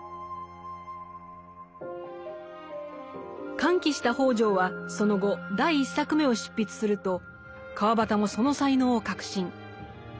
歓喜した北條はその後第１作目を執筆すると川端もその才能を確信。